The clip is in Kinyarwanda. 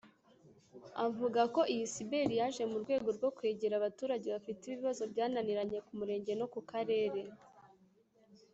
Avuga ko iyi ‘Cyber’ yaje mu rwego rwo kwegera abaturage bafite ibibazo byananiranye ku murenge no ku karere